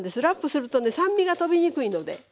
ラップするとね酸味が飛びにくいので。